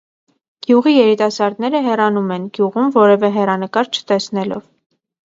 Գյուղի երիտասարդները հեռանում են՝ գյուղում որևէ հեռանկար չտեսնելով։